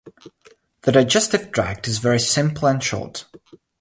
The digestive tract is very simple and short.